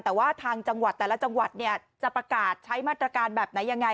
แต่ว่าทางจังหวัดแต่ละจังหวัดเนี่ยจะประกาศใช้มาตรการแบบไหนยังไง